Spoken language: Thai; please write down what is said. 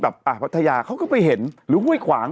พัทยาเขาก็ไปเห็นหรือห้วยขวาง